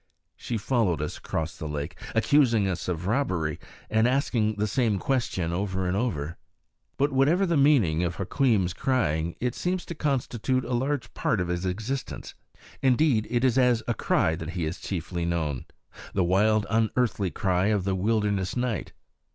She followed us across the lake, accusing us of robbery, and asking the same question over and over. But whatever the meaning of Hukweem's crying, it seems to constitute a large part of his existence. Indeed, it is as a cry that he is chiefly known the wild, unearthly cry of the wilderness night.